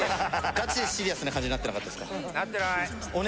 ガチでシリアスな感じになってなかったですかなってない！